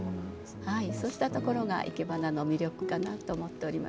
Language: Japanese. そうしたところがいけばなの魅力かなと思っております。